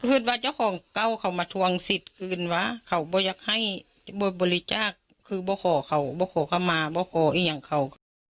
คือว่าเจ้าของเก่าเขามาทวงสิทธิ์คืนว่ะเขาไม่อยากให้บริจาคคือไม่ขอเขาไม่ขอกลับมาไม่ขออีกอย่างเขา